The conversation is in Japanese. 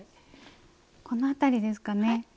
このあたりですかね。